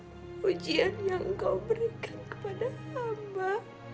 pujian yang kau berikan kepada hamba